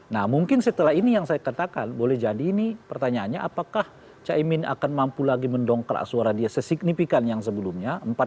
nah mungkin setelah ini yang saya katakan boleh jadi ini pertanyaannya apakah caimin akan mampu lagi mendongkrak suara dia sesignifikan yang sebelumnya